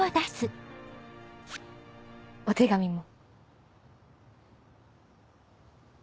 お手紙も。